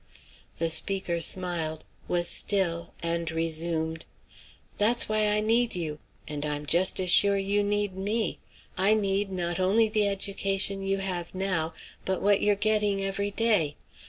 The speaker smiled, was still, and resumed: "That's why I need you. And I'm just as sure you need me. I need not only the education you have now, but what you're getting every day.